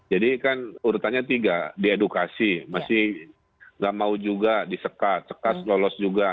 jadi kan urutannya tiga diedukasi masih tidak mau juga disekat sekat lolos juga